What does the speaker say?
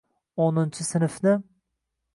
— O‘ninchi sinfni.